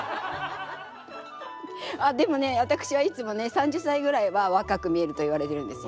あっでもねわたくしはいつもね３０さいぐらいはわかく見えるといわれてるんですよ。